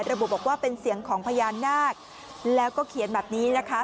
ระบุบอกว่าเป็นเสียงของพญานาคแล้วก็เขียนแบบนี้นะคะ